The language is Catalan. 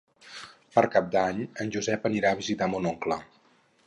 Per Cap d'Any en Josep anirà a visitar mon oncle.